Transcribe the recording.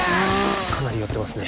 かなり酔ってますね